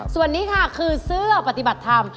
ส่วนนี้ค่ะคือเสื้อปฏิบัติธรรม